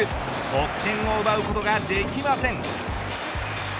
得点を奪うことができません。